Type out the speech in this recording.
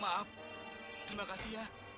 maaf terima kasih ya